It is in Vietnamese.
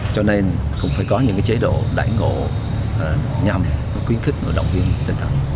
cho nên cũng phải có những cái chế độ đảng ngộ nhằm quyến khích và động viên tinh thần